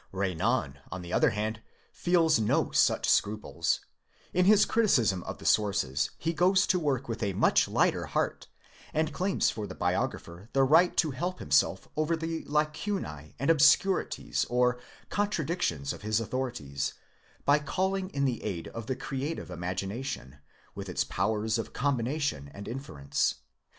Renan, on: the other hand, feels no such scruples; in his criti cism of the sources he goes to work with a much lighter heart, and claims for the biographer the: right to help himself over the /acun@ and obscuri ties or contradictions of his authorities by calling in the aid of the creative imagination, with its powers of combination and inference.